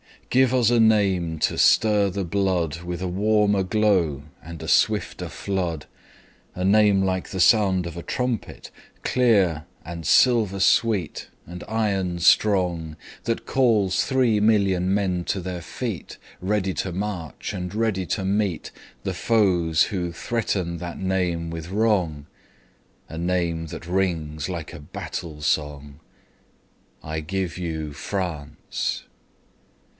Give us a name to stir the bloodWith a warmer glow and a swifter flood,—A name like the sound of a trumpet, clear, And silver sweet, and iron strong, That calls three million men to their feet, Ready to march, and steady to meetThe foes who threaten that name with wrong,—A name that rings like a battle song.I give you France!